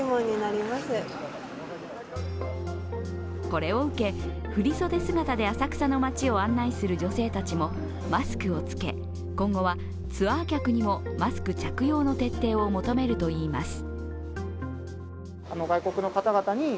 これを受け、振り袖姿で浅草の街を案内する女性たちも今後はツアー客にもマスク着用の徹底を求めるといいます。